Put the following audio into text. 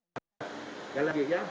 terima kasih ya